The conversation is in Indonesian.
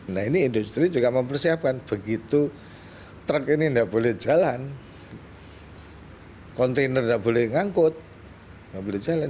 nah ini industri juga mempersiapkan begitu truk ini tidak boleh jalan kontainer tidak boleh ngangkut nggak boleh jalan